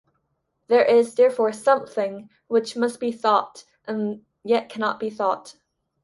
There is therefore something which must be thought and yet cannot be thought.